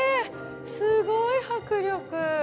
すごい迫力。